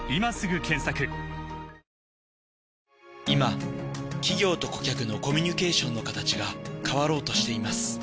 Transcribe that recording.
今企業と顧客のコミュニケーションの形が変わろうとしています。